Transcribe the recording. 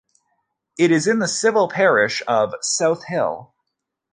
It is in the civil parish of Southill.